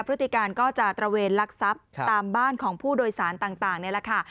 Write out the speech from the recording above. พฤติการก็จะตระเวนลักทรัพย์ตามบ้านของผู้โดยสารต่างนี่แหละค่ะ